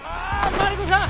マリコさん！